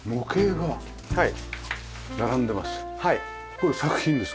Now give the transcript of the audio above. これ作品ですか？